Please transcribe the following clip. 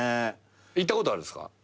行ったことあるんすか？